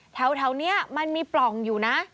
แถวนี้มันมีปล่องอยู่นะ